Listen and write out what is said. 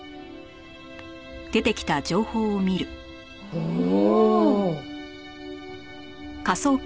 おお。